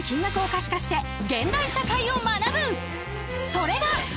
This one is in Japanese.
それが。